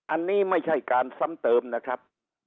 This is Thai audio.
อันนี้ไม่ใช่การซ้ำเติมนะครับ